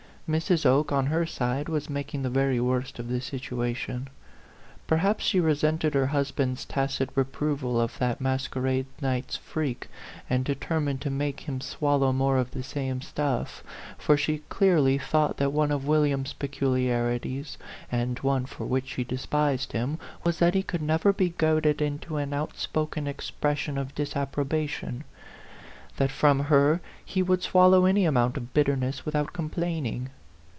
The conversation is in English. Mrs. Oke, on her side, was making the very worst of the situation. Perhaps she resented her husband's tacit reproval of that masquerade night's freak, and determined to make him swallow more of the same stuff, for she clearly thought that one of William's peculiarities, and one for which she despised him, was that he could never be goaded into an outspoken expression of disapproba tion ; that from her he would swallow any amount of bitterness without complaining.